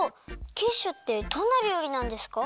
キッシュってどんなりょうりなんですか？